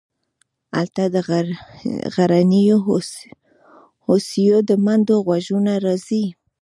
هلته د غرنیو هوسیو د منډو غږونه راځي